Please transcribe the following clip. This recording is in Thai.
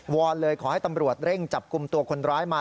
อนเลยขอให้ตำรวจเร่งจับกลุ่มตัวคนร้ายมา